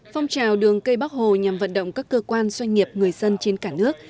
phong trào đường cây bắc hồ nhằm vận động các cơ quan doanh nghiệp người dân trên cả nước